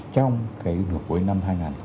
trong cái nửa cuối năm hai nghìn hai mươi